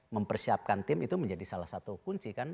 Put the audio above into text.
mempersiapkan tim itu menjadi salah satu kunci kan